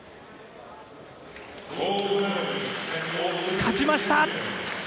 勝ちました！